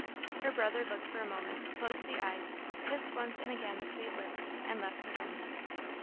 Her brother looked for a moment closed the eyes kissed once and again the sweet lips and left the room.